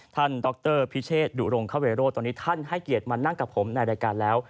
ดรพิเชษดุรงคเวโรธตอนนี้ท่านให้เกียรติมานั่งกับผมในรายการแล้ว